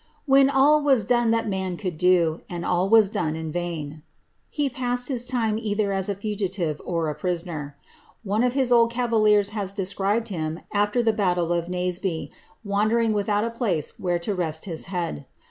" When all was done that man could do, And ail was dono in vain/' he passed his time either as a fugitive or a prisoner. One of his old cavaliers has described him af\er the battle of Naseby, wandering with out a place where to rest his head.